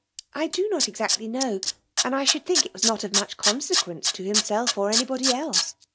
^" I do not exactly know, and I iriionld think it was not of much consequence* to hiiri*' self or anybody else.